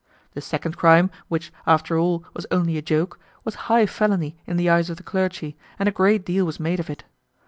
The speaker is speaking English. The second crime, which, after all, was only a joke, was high felony in the eyes of the clergy, and a great deal was made of it.